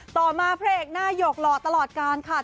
ต่อมาเพลงหน้าหยกหล่อตลอดกันค่ะ